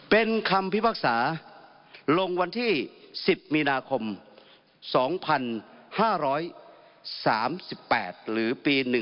เป็นคำพิพากษาลงวันที่๑๐มีนาคม๒๕๓๘หรือปี๑๙